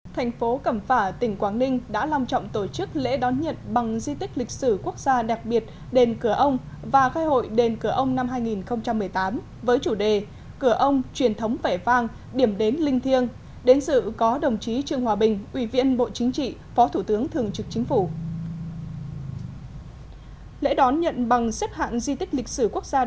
thành phố cẩm phả tỉnh quảng ninh đã lòng trọng tổ chức lễ đón nhận bằng di tích lịch sử quốc gia đặc biệt đền cửa ông và khai hội đền cửa ông năm hai nghìn một mươi tám với chủ đề cửa ông truyền thống vẻ vang điểm đến linh thiêng đến sự có đồng chí trương hòa bình ủy viện bộ chính trị phó thủ tướng thường trực chính phủ